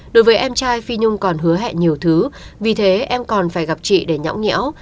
đối với em trai phi nhung còn hứa hẹn nhiều thứ vì thế em còn phải gặp chị để nhõng nhão